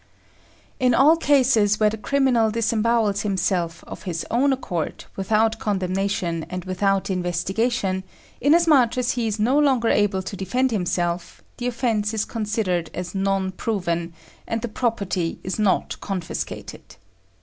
In all cases where the criminal disembowels himself of his own accord without condemnation and without investigation, inasmuch as he is no longer able to defend himself, the offence is considered as non proven, and the property is not confiscated.